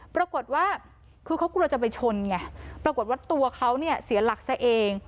ปรากฏว่าคือเขากลัวจะไปชนไงปรากฏว่าตัวเขาเนี่ยเสียหลักซะเอง